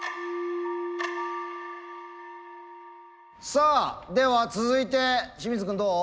さあでは続いて清水君どう？